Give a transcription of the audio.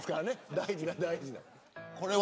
大事な大事な。